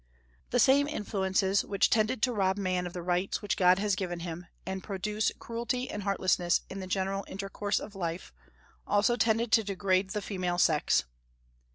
The same influences which tended to rob man of the rights which God has given him, and produce cruelty and heartlessness in the general intercourse of life, also tended to degrade the female sex.